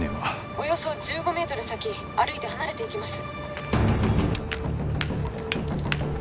およそ１５メートル先歩いて離れていきます